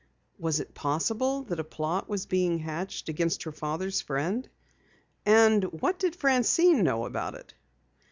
Was it possible that a plot was being hatched against her father's friend? And what did Francine know about it?